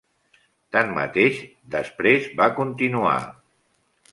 Tanmateix, després va continuar.